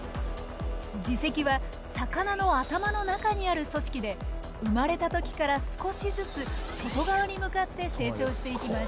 耳石は魚の頭の中にある組織で生まれた時から少しずつ外側に向かって成長していきます。